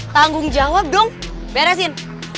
tanggung jawab dong beresin